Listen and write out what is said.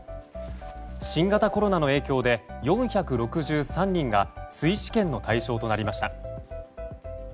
新型コロナの影響で４６３人が追試験の対象となりました。